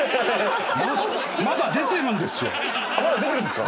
まだ出てるんですか？